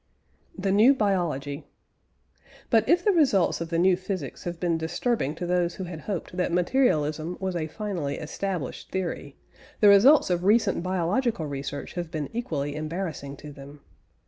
" THE NEW BIOLOGY. But if the results of the new physics have been disturbing to those who had hoped that materialism was a finally established theory, the results of recent biological research have been equally embarrassing to them.